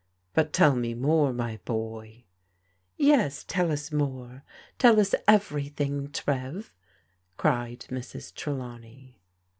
" But tell me more, my boy." " Yes, tell us more. Tell us ever3rthing, Trev," cried Mrs. Trelawney.